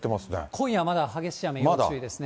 今夜はまだ激しい雨要注意ですね。